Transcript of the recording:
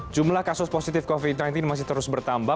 jumlah kasus positif covid sembilan belas masih terus bertambah